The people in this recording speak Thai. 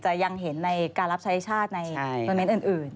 ยังเห็นในการรับใช้ชาติในโทรเมนต์อื่น